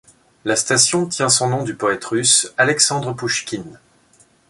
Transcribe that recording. La station tient son nom du poète russe Alexandre Pouchkine.